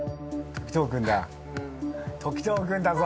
時任君だぞ！